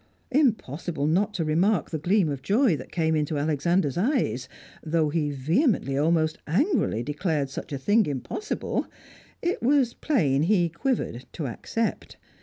Impossible not to remark the gleam of joy that came into Alexander's eyes; though he vehemently, almost angrily, declared such a thing impossible, it was plain he quivered to accept.